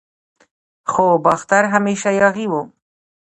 خو باختر همیشه یاغي و